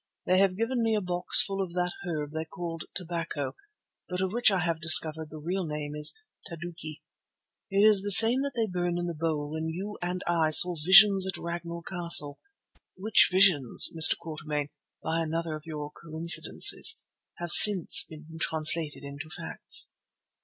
They have given me a box full of that herb they called tobacco, but of which I have discovered the real name is Taduki. It is the same that they burned in the bowl when you and I saw visions at Ragnall Castle, which visions, Mr. Quatermain, by another of your coincidences, have since been translated into facts."